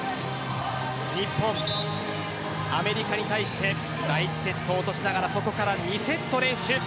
日本、アメリカに対して第１セットを落としながらそこから２セット連取。